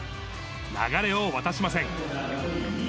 流れを渡しません。